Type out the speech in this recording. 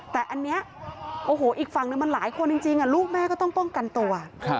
แต่อันนี้โอ้โหอีกฝั่งนึงมันหลายคนจริงลูกแม่ก็ต้องป้องกันตัว